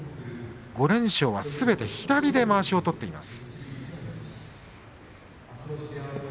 ５連勝はすべて左でまわしを取っています。